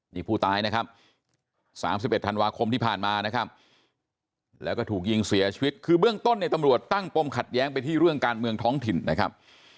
นี่ผู้ตายนะครับ๓๑ธันวาคมที่ผ่านมานะครับแล้วก็ถูกยิงเสียชีวิตคือเบื้องต้นเนี่ยตำรวจตั้งปมขัดแย้งไปที่เรื่องการเมืองท้องถิ่นนะครับ